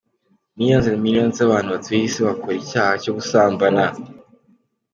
Millions and millions z’abantu batuye isi bakora icyaha cyo gusambana.